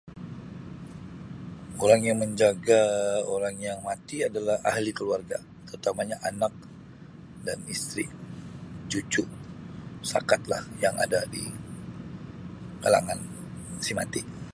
Orang yang menjaga orang yang mati adalah ahli keluarga terutamanya anak dan isteri cucu sakat lah yang ada di kalangan si mati.